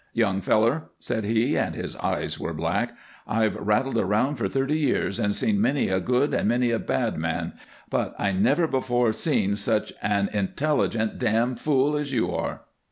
"Young feller," said he and his eyes were black "I've rattled around for thirty years and seen many a good and many a bad man, but I never before seen such an intelligent dam' fool as you are."